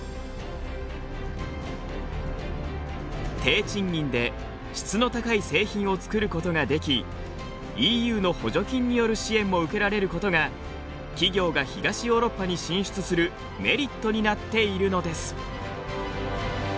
低賃金で質の高い製品を作ることができＥＵの補助金による支援も受けられることが企業が東ヨーロッパに進出するメリットになっているのです。